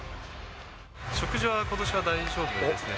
食事はことしは大丈夫ですね。